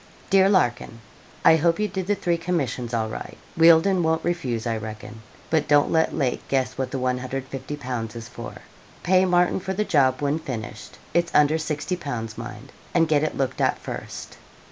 'DEAR LARKIN, I hope you did the three commissions all right. Wealdon won't refuse, I reckon but don't let Lake guess what the 150_l._ is for. Pay Martin for the job when finished; it is under 60_l._. mind; and get it looked at first.'